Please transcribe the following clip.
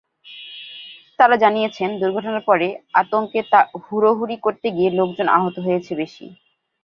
তাঁরা জানিয়েছেন দুর্ঘটনার পরে আতঙ্কে হুড়োহুড়ি করতে গিয়ে লোকজন আহত হয়েছে বেশি।